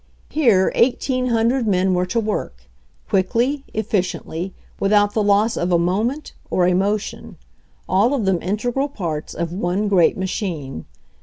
Here 1800 men were to work, quickly, efficiently, without the loss of a moment or a mo tion, all of them integral parts of one great ma chine.